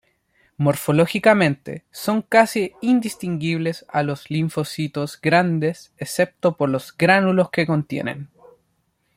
Morfológicamente son casi indistinguibles a los linfocitos grandes excepto por los gránulos que contienen.